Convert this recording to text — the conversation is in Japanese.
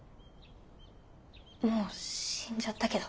もう死んじゃったけど。